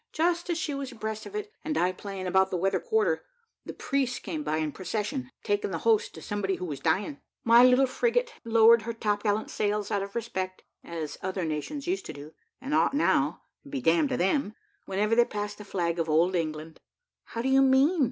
Just as she was abreast of it, and I playing about the weather quarter, the priests came by in procession, taking the host to somebody who was dying. My little frigate lowered her top gallant sails out of respect, as other nations used to do, and ought now, and be damned to them, whenever they pass the flag of old England " "How do you mean?"